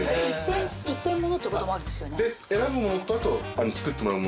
一点物ってこともあるんですよね？